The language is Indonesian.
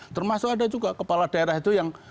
termasuk ada juga kepala daerah itu yang sudah dikaji